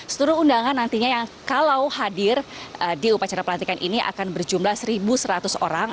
seluruh undangan nantinya yang kalau hadir di upacara pelantikan ini akan berjumlah satu seratus orang